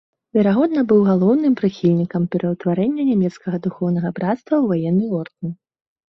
Верагодна быў галоўным прыхільнікам пераўтварэння нямецкага духоўнага брацтва ў ваенны ордэн.